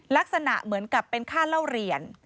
ลักษณะเหมือนกับเป็นค่าเล่าเรียน